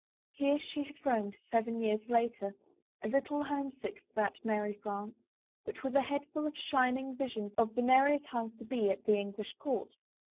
Here she had roamed seven years later, a little homesick for that merry France, but with a headful of shining visions of the 32 A ROSE AND SOME WORDS merrier times to be at the English court.